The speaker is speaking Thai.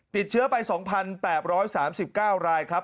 ติดเชื้อไป๒๘๓๙รายครับ